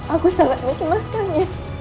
aku sangat mencermaskannya